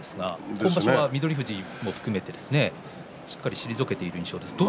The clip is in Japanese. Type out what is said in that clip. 今場所は翠富士を含めてしっかり退けている印象です。